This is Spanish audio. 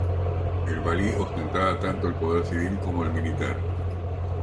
El valí ostentaba tanto el poder civil como el militar.